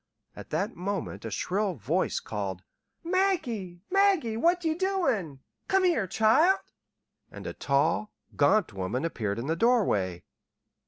At that moment a shrill voice called: "Maggie, Maggie, what ye doin'? Come here, child." And a tall, gaunt woman appeared in the doorway.